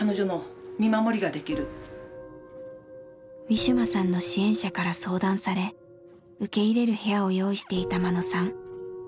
ウィシュマさんの支援者から相談され受け入れる部屋を用意していた眞野さん。